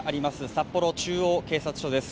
札幌中央警察署です。